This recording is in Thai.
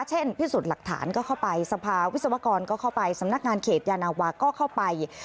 พิสูจน์หลักฐานก็เข้าไปสภาวิศวกรก็เข้าไปสำนักงานเขตยานาวาก็เข้าไป